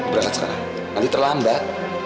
berangkat sekarang nanti terlambat